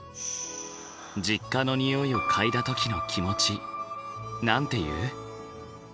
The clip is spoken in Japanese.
実家のにおいを嗅いだ時の気持ちなんて言う？